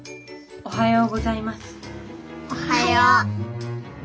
おはよう。